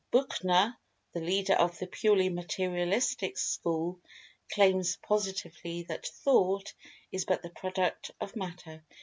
Buchner, the leader of the purely Materialistic school, claims positively that Thought is but the product of Matter.